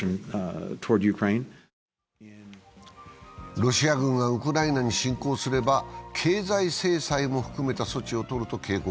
ロシア軍がウクライナに侵攻すれば経済制裁も含めた措置を取ると警告。